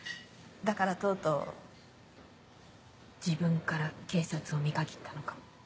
だからとうとう自分から警察を見限ったのかも。